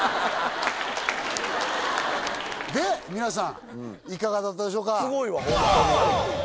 で皆さんいかがだったでしょうか？